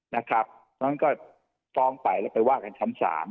นะครับสมัครก็ฟ้องไปแล้วไปวาดกันช้ำสาม